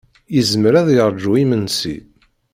Yezmer ad yaṛǧu imensi.